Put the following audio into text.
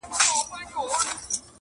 o زما پر سونډو یو غزل عاشقانه یې,